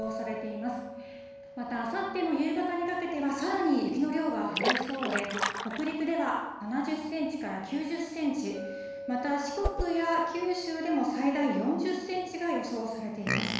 また、あさっての夕方にかけてはさらに雪の量が増えそうで、北陸では７０センチから９０センチ、また四国や九州でも最大４０センチが予想されています。